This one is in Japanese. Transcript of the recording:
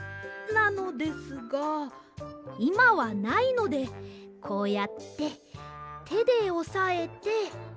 なのですがいまはないのでこうやっててでおさえて。